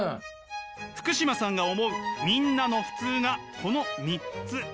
福島さんが思うみんなの普通がこの３つ。